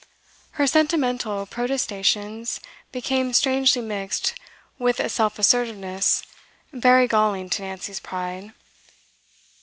Her sentimental protestations became strangely mixed with a self assertiveness very galling to Nancy's pride.